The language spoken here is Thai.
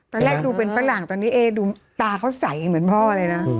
ตอนแรกดูเป็นฝรั่งตอนนี้เอ๊ดูตาเขาใสเหมือนพ่อเลยนะ